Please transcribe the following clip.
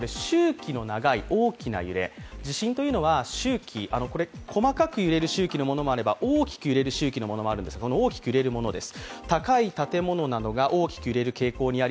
地震というのは、周期、細かく揺れる周期のものもあれば大きく揺れる周期のものもあるんですがこの大きく揺れるものです